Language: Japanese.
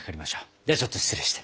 ではちょっと失礼して。